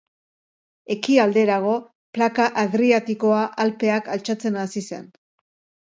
Ekialderago, plaka Adriatikoa Alpeak altxatzen hasi zen.